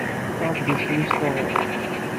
Fukeɣ adlis-nni s tɣuri.